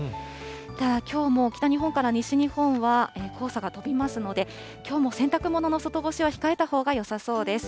ただきょうも北日本から西日本は、黄砂が飛びますので、きょうも洗濯物の外干しは控えたほうがよさそうです。